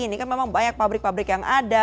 ini kan memang banyak pabrik pabrik yang ada